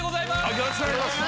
よろしくお願いします。